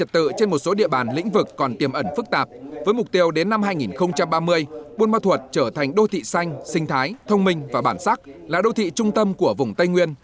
thành đô thị xanh sinh thái thông minh và bản sắc là đô thị trung tâm của vùng tây nguyên